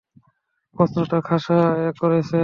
প্রশ্নটা খাসা করেছ।